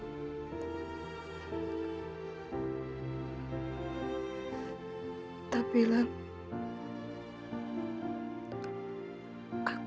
kamu tidak perlu memikirkan itu